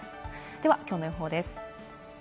ではきょうの予報です。